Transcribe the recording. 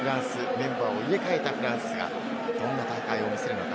メンバーを入れ替えたフランスがどんな戦いを見せるのか？